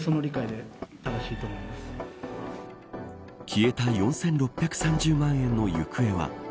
消えた４６３０万円の行方は。